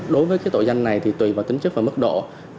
đối với tội danh này thì tùy vào tính chức và mức độ